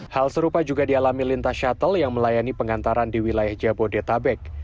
hal serupa juga dialami lintas shuttle yang melayani pengantaran di wilayah jabodetabek